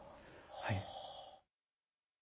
はい。